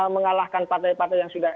mengalahkan partai partai yang sudah